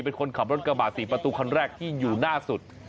เป็นคนขับรถกระบะ๔ประตูคันแรกที่อยู่หน้าสุด